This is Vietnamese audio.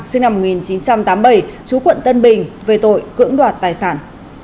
sinh năm một nghìn chín trăm tám mươi bảy chú quận tân bình về tội cưỡng đoạt tài sản